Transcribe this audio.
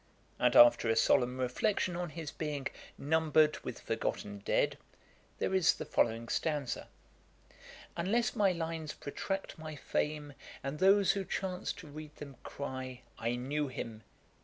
And after a solemn reflection on his being 'numbered with forgotten dead,' there is the following stanza: 'Unless my lines protract my fame, And those, who chance to read them, cry, I knew him!